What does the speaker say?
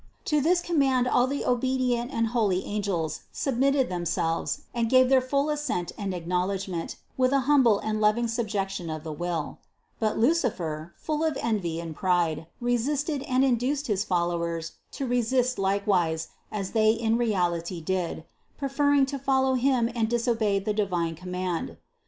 To this command all the obedient and holy angel*, submitted themselves and they gave their full assent and acknowledgment with an humble and loving subjection of the will. But Lucifer, full of envy and pride, resisted and induced his followers to resist likewise, as they in reality did, preferring to follow him and disobey the divine command.